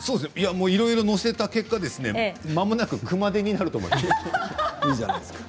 いろいろ載せた結果まもなく熊手になると思います。